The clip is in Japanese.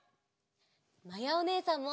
まやおねえさんも！